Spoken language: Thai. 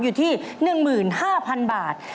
อยู่ที่๑๕๐๐๐บาท